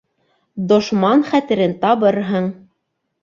Дошман хәтерен табырһың.